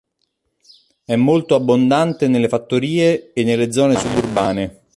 È molto abbondante nelle fattorie e nelle zone suburbane.